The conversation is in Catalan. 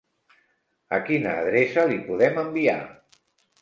A quina adreça li podem enviar?